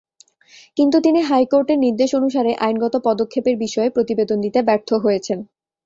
কিন্তু তিনি হাইকোর্টের নির্দেশ অনুসারে আইনগত পদক্ষেপের বিষয়ে প্রতিবেদন দিতে ব্যর্থ হয়েছেন।